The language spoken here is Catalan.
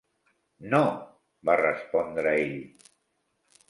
"No", va respondre ell.